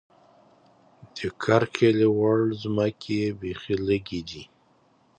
د کرکیلې وړ ځمکې یې بېخې لږې دي.